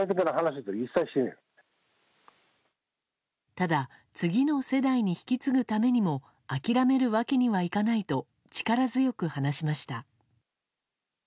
ただ、次の世代に引き継ぐためにも諦めるわけにはいかないと力強く話しました。